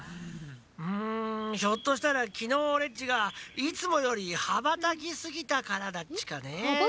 うんひょっとしたらきのうオレっちがいつもよりはばたきすぎたからだっちかね。